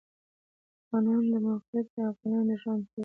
د افغانستان د موقعیت د افغانانو د ژوند طرز اغېزمنوي.